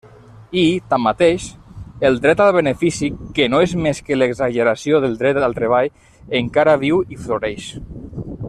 I, tanmateix, el dret al benefici, que no és més que l'exageració del dret al treball, encara viu i floreix.